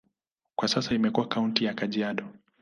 Kwa sasa imekuwa kaunti ya Kajiado.